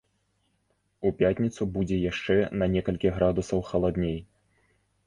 У пятніцу будзе яшчэ на некалькі градусаў халадней.